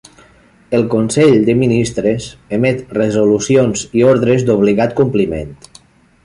El Consell de Ministres emet resolucions i ordres d'obligat compliment.